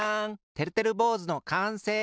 てるてるぼうずのかんせい！